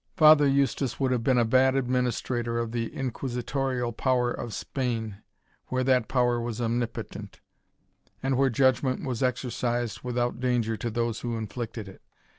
Father Eustace would have been a bad administrator of the inquisitorial power of Spain, where that power was omnipotent, and where judgment was exercised without danger to those who inflicted it.